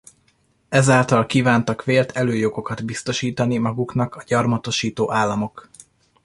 Ezáltal kívántak vélt előjogokat biztosítani maguknak a gyarmatosító államok.